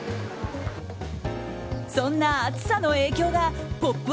そんな暑さの影響が「ポップＵＰ！」